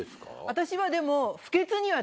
私はでも。